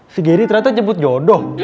si geri ternyata jebut jodoh